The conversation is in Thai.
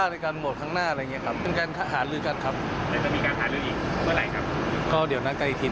ครับคุณหมอชะละนาแล้วก็คุณประเสริฐ